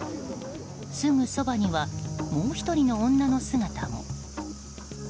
すぐそばにはもう１人の女の姿も。